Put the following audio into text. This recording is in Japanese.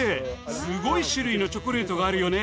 すごい種類のチョコレートがあるよね。